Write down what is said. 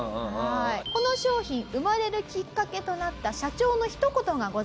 この商品生まれるきっかけとなった社長のひと言がございます。